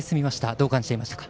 どう感じましたか。